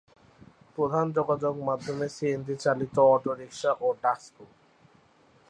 প্রধান যোগাযোগ মাধ্যম সিএনজি চালিত অটোরিক্সা ও ডাসকু।